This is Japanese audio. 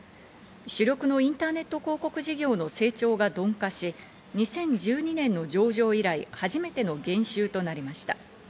主力のインターネット広告事業の成長が鈍化し、２０１２年の上場以来、初めての減収となりました。